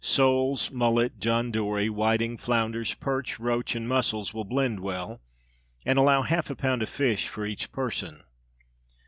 Soles, mullet, John Dory, whiting, flounders, perch, roach, and mussels will blend well, and allow half a pound of fish for each person.